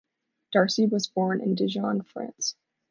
Darcy was born in Dijon, France.